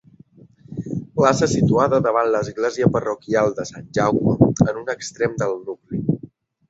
Plaça situada davant l'església parroquial de Sant Jaume, en un extrem del nucli.